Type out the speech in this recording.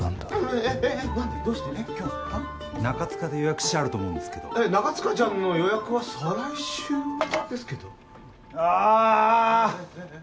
えっ今日中塚で予約してあると思うんですけどえっ中塚ちゃんの予約は再来週ですけどあーっ！